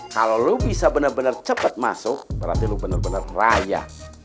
kalau lu bisa bener bener cepet masuk berarti lu bener bener raya